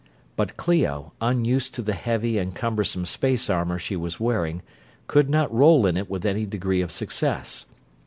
But Clio, unused to the heavy and cumbersome space armor she was wearing, could not roll in it with any degree of success.